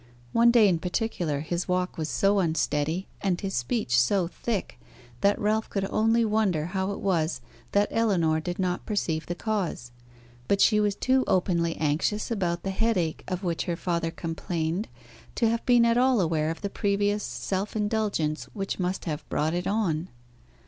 One day in particular his walk was so unsteady and his speech so thick, that Ralph could only wonder how it was that Ellinor did not perceive the cause; but she was too openly anxious about the headache of which her father complained to have been at all aware of the previous self indulgence which must have brought it on.